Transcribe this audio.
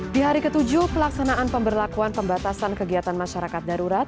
di hari ke tujuh pelaksanaan pemberlakuan pembatasan kegiatan masyarakat darurat